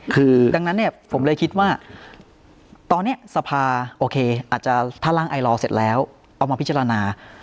คือดังนั้นเนี่ยผมเลยคิดว่าตอนนี้สภาโอเคอาจจะถ้าร่างไอลอร์เสร็จแล้วเอามาพิจารณา